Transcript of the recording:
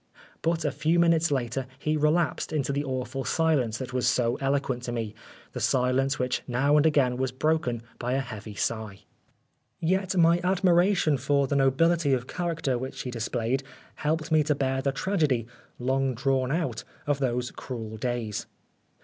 But a few minutes later he relapsed into the awful silence that was so eloquent to me, the silence which now and again was broken by a heavy sigh. 171 Oscar Wilde Yet, my admiration for the nobility of character which he displayed, helped me to bear the tragedy, long drawn out, of those cruel days.